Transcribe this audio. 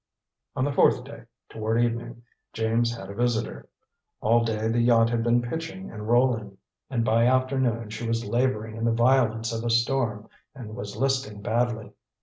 On the fourth day, toward evening, James had a visitor. All day the yacht had been pitching and rolling, and by afternoon she was laboring in the violence of a storm and was listing badly.